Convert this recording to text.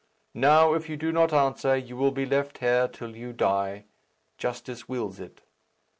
Now, if you do not answer, you will be left here till you die. Justice wills it."